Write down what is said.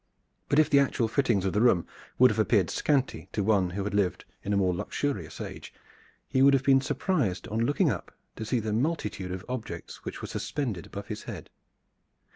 But if the actual fittings of the room would have appeared scanty to one who had lived in a more luxurious age, he would have been surprised on looking up to see the multitude of objects which were suspended above his head.